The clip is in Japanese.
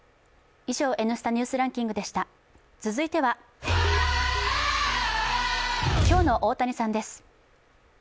続いては今日の大谷さんです。